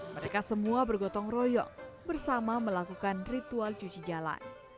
mereka semua bergotong royong bersama melakukan ritual cuci jalan